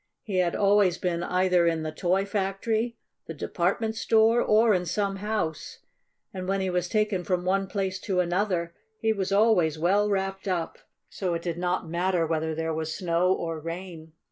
He had always been either in the toy factory, the department store, or in some house, and when he was taken from one place to another he was always well wrapped up, so it did not matter whether there was snow or rain.